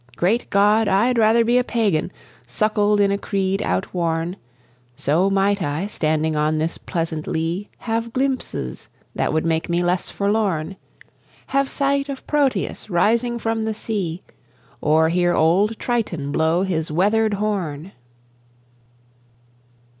Great God! I'd rather be A pagan, suckled in a creed outworn, So might I, standing on this pleasant lea, Have glimpses that would make me less forlorn; Have sight of Proteus, rising from the sea, Or hear old Triton blow his wreathed horn.